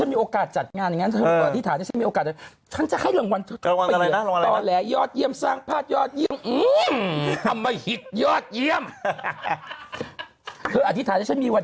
มีโอกาสจัดงานยอดเยี่ยม